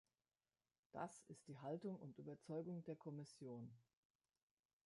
Das ist die Haltung und Überzeugung der Kommission.